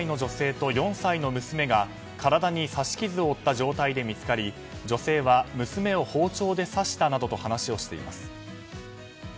４８歳の女性と４歳の娘が体に刺し傷を負った状態で見つかり女性は娘を包丁で刺したなどと話をしています。